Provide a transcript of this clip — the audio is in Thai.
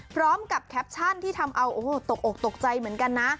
แคปชั่นที่ทำเอาโอ้โหตกอกตกใจเหมือนกันนะ